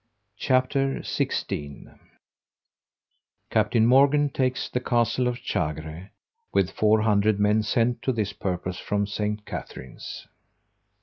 CHAPTER XVI _Captain Morgan takes the Castle of Chagre, with four hundred men sent to this purpose from St. Catherine's.